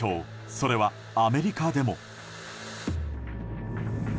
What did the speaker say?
それは、アメリカでも。